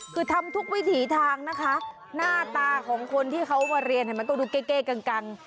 คือทำทุกวิถีทางนะคะหน้าตาของคนที่เขามาเรียนมันต้องดูเก้กัง